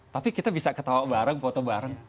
tapi kita bisa ketawa bareng foto bareng